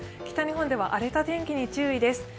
北日本では荒れた天気に注意です。